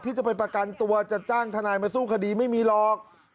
ที่จะไปประกันตัวจะจ้างทนายมาสู้คดีไม่มีหรอก